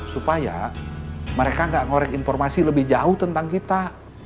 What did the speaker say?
supaya mereka nggak ngorek informasi lebih jauh tentang kita